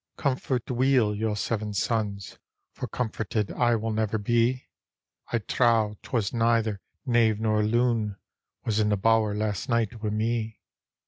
" Comfort weel your seven sons, For comforted I. will never be: I trow 'twas neither knave nor loon Was in the bower last night wi' me."